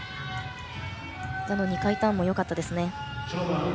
座の２回ターンもよかったですね。